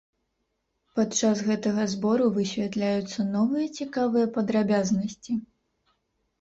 Падчас гэтага збору высвятляюцца новыя цікавыя падрабязнасці.